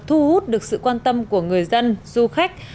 thu hút được sự quan tâm của người dân du khách